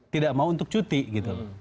tidak mau untuk cuti